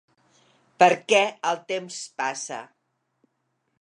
Perquè el temps passa.